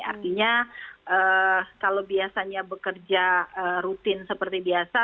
artinya kalau biasanya bekerja rutin seperti biasa